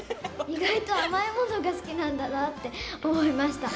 意外と甘いものが好きなんだなって思いました。